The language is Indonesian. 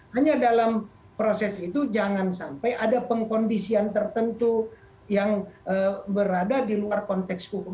hanya dalam proses itu jangan sampai ada pengkondisian tertentu yang berada di luar konteks hukum